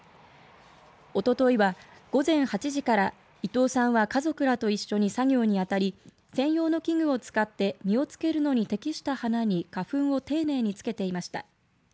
おとといは午前８時から伊藤さんは家族らと一緒に作業に当たり専用の器具を使って実をつけるのに適した花に花粉を丁寧に付けていました。